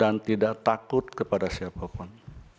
dan tidak takut kepada siapa pun